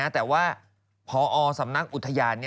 แต่ว่าพอสำนักอุทยาน